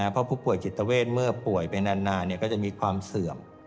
เพราะผู้ป่วยจิตเวทเมื่อป่วยไปนานก็จะมีความเสื่อม